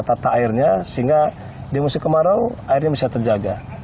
tata airnya sehingga di musim kemarau airnya bisa terjaga